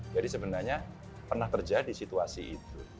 jadi sebenarnya pernah terjadi situasi itu